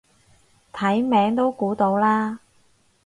睇名都估到啦